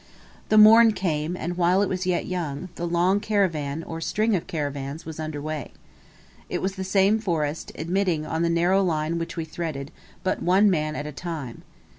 The morn came; and, while it was yet young, the long caravan, or string of caravans, was under way. It was the same forest, admitting, on the narrow line which we threaded, but one man at a time.